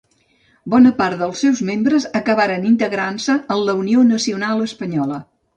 Bona part dels seus membres acabaren integrant-se en la Unió Nacional Espanyola.